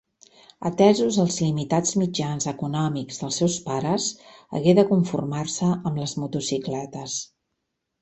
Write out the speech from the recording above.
Atesos els limitats mitjans econòmics dels seus pares, hagué de conformar-se amb les motocicletes.